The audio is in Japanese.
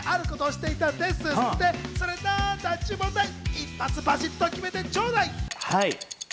一発バシっと決めてちょうだい！